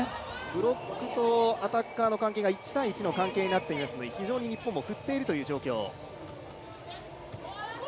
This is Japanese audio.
ブロックとアタッカーの関係が１−１の関係になってますので非常に日本も振っているという状況。